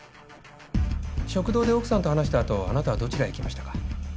食堂で奥さんと話した後あなたはどちらへ行きましたか？